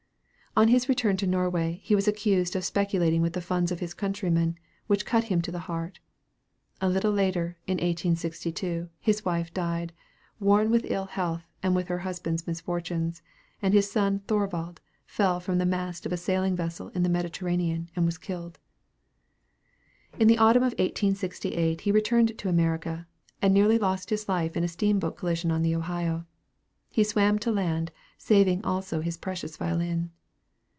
On his return to Norway he was accused of speculating with the funds of his countrymen, which cut him to the heart. A little later, in 1862, his wife died, worn with ill health, and with her husband's misfortunes, and his son Thorvald fell from the mast of a sailing vessel in the Mediterranean, and was killed. In the autumn of 1868 he returned to America, and nearly lost his life in a steamboat collision on the Ohio. He swam to land, saving also his precious violin.